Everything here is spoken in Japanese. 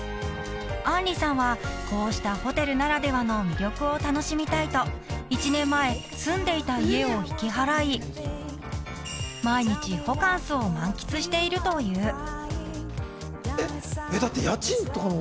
［杏里さんはこうしたホテルならではの魅力を楽しみたいと１年前住んでいた家を引き払い毎日ホカンスを満喫しているという］